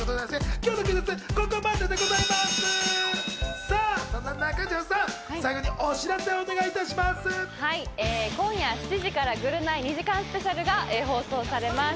今夜７時から『ぐるナイ２時間スペシャル』が放送されます。